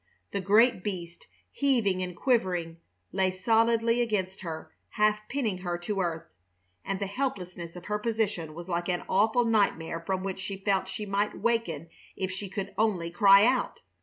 The great beast, heavy and quivering, lay solidly against her, half pinning her to earth, and the helplessness of her position was like an awful nightmare from which she felt she might waken if she could only cry out.